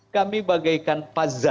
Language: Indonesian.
kami bagaikan puzzle